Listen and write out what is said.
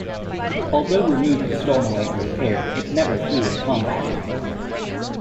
Although removed to Stornoway and repaired, it never flew in combat.